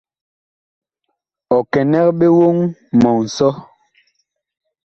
Ɔ kɛnɛg ɓe woŋ mɔ nsɔ.